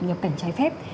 nhập cảnh trái phép